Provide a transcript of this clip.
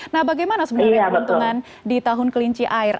nah bagaimana sebenarnya keuntungan di tahun kelinci air